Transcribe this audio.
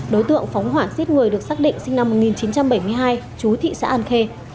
đối tượng phóng hoảng giết người được xác định sinh năm một nghìn chín trăm bảy mươi hai chú thị xã an khê